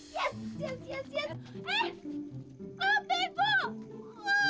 kalau kayak gini terus sebesar aku mati